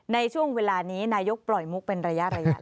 ในช่วงเวลานี้นายกปล่อยมุกเป็นระยะ